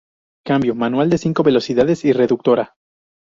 Cambio: Manual de cinco velocidades y reductora.